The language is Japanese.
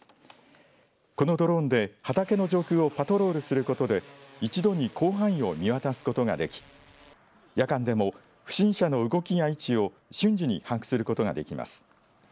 このドローンで畑の上空をパトロールすることで一度に広範囲を見渡すことができ夜間でも、不審者の動きや位置を瞬時に把握することができます。